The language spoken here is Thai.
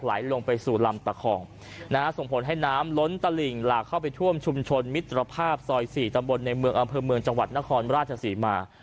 ลงไปสู่ลำตะคองนะฮะส่งผลให้น้ำล้นตลิ่งหลากเข้าไปท่วมชุมชนมิตรภาพซอย๔ตำบลในเมืองอำเภอเมืองจังหวัดนครราชศรีมา